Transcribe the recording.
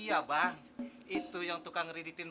iya bang itu yang tukang riditin